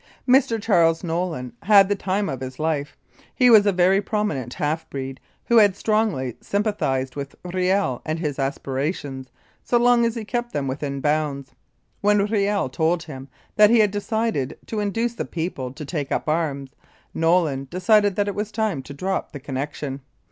Mr. Charles Nolin had the time of his life. He was a very prominent half breed, who had strongly sympa thised with Riel and his aspirations, so long as he kept them within bounds. When Riel told him that he had decided to induce the people to take up arms, Nolin decided that it was time to drop the connection.